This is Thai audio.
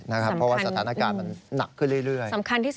เพราะว่าสถานการณ์มันหนักขึ้นเรื่อย